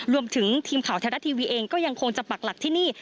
รวมถึงทีมข่าวไทยรัฐทีวีเองก็ยังคงจะปักหลักที่นี่